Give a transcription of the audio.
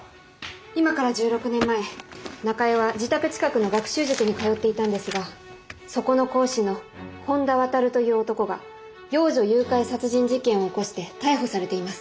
今から１６年前中江は自宅近くの学習塾に通っていたんですがそこの講師の本田亘という男が幼女誘拐殺人事件を起こして逮捕されています。